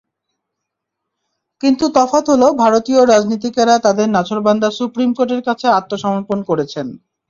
কিন্তু তফাত হলো, ভারতীয় রাজনীতিকেরা তাঁদের নাছোড়বান্দা সুপ্রিম কোর্টের কাছে আত্মসমর্পণ করেছেন।